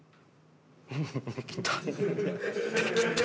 きた！